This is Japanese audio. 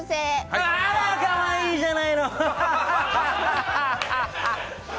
あらかわいいじゃないの。